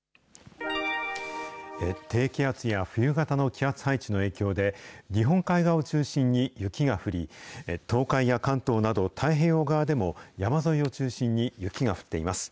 低気圧や冬型の気圧配置の影響で、日本海側を中心に雪が降り、東海や関東など太平洋側でも、山沿いを中心に雪が降っています。